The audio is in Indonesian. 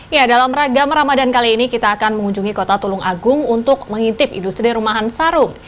ya dalam ragam ramadan kali ini kita akan mengunjungi kota tulung agung untuk mengintip industri rumahan sarung